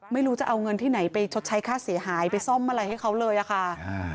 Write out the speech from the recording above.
ไม่รู้จะเอาเงินที่ไหนไปชดใช้ค่าเสียหายไปซ่อมอะไรให้เขาเลยอะค่ะ